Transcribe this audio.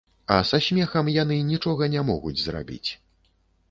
А са смехам яны нічога не могуць зрабіць.